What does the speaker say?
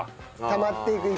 たまっていく一方。